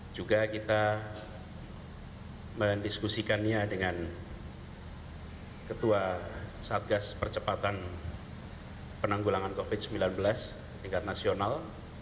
juga kita mendiskusikannya dengan ketua satgas percepatan penanggulangan covid sembilan belas tingkat nasional